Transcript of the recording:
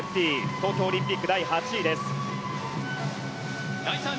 東京オリンピック第８位です。